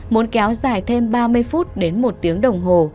muốn kéo dài thêm ba mươi phút đến một tiếng đồng hồ